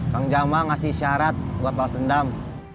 bang jama ngasih syarat buat balas dendam